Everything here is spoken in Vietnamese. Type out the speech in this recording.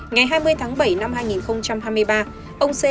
ngày hai mươi tháng bảy năm hai nghìn hai mươi ba ông c